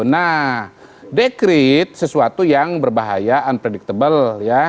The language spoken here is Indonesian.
nah dekret sesuatu yang berbahaya unpredictable ya